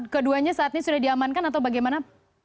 keduanya saat ini sudah diamankan atau bagaimana